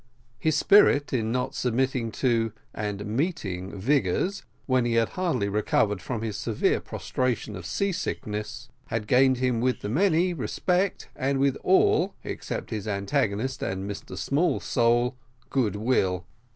His spirit in not submitting to, and meeting Vigors when he had hardly recovered from his severe prostration of sea sickness, had gained him with the many respect, and with all, except his antagonist and Mr Smallsole, goodwill.